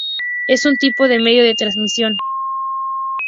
Es un tipo de medio de transmisión.